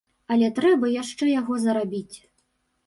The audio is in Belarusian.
Але трэба яшчэ яго зарабіць.